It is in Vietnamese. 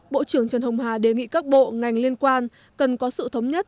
bộ trưởng trần hồng hà đề nghị các bộ ngành liên quan cần có sự thống nhất